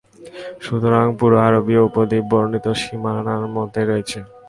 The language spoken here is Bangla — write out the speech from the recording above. সুতরাং, পুরো আরবীয় উপদ্বীপ বর্ণিত সীমানার মধ্যেই রয়েছে।